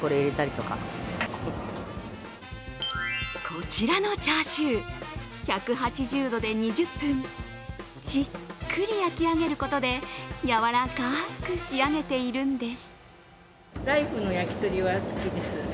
こちらのチャーシュー、１８０度で２０分じっくり焼き上げることでやわらかく仕上げているんです。